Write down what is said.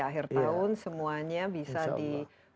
akhir tahun semuanya bisa divaksinasi insya allah